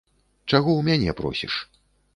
Чаго ў мяне просіш.